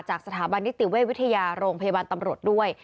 สถาบันนิติเวชวิทยาโรงพยาบาลตำรวจด้วย